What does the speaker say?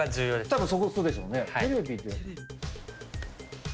多分そこそうでしょうね。